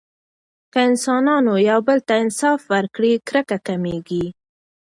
که انسانانو یو بل ته انصاف ورکړي، کرکه کمېږي.